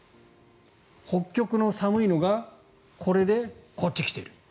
北極の寒いのがこれでこっち来ている。